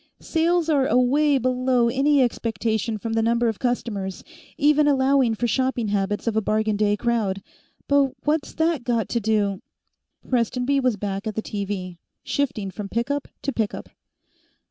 Sales are away below any expectation from the number of customers, even allowing for shopping habits of a bargain day crowd. But what's that got to do " Prestonby was back at the TV, shifting from pickup to pickup.